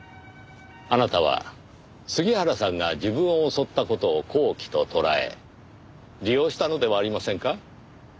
あなたは杉原さんが自分を襲った事を好機ととらえ利用したのではありませんか？